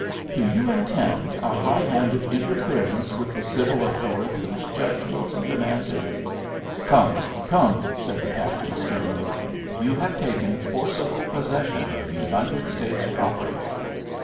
"Do you intend a high handed interference with the civil authorities?" Judge Wilson demanded. "Come, come," said the captain, sternly. "You have taken forcible possession of United States property.